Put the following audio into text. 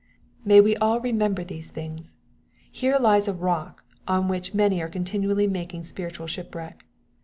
May we all remember these things. Here lies a rock, on which many are continually making spiritual ship wieck.